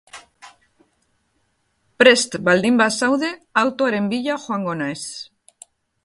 Prest baldin bazaude, autoaren bila joango naiz.